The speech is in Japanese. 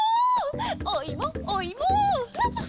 おいもおいも！